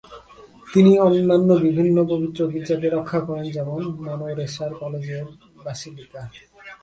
তিনি অন্যান্য বিভিন্ন পবিত্র গীর্জাকে রক্ষা করেন যেমনঃ মনরেসার কলেজিয়েট বাসিলিকা।